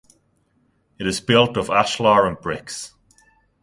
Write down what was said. It is built of ashlar and bricks.